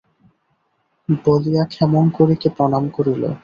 বলিয়া ক্ষেমংকরীকে প্রণাম করিল।